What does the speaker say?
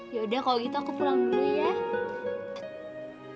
yaudah kalau gitu aku pulang dulu ya